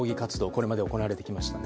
これまで行われてきました。